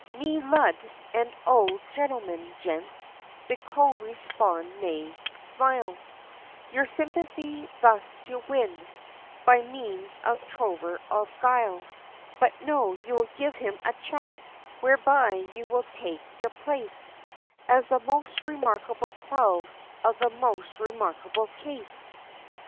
Me Lud, and O gentlemen, gents, the co respond' may smile, Your sympathy thus to win, by means of trover of guile, But no! you will give him a check, whereby you will take your place, As the most remarkable twelve, of the most remarkable case!"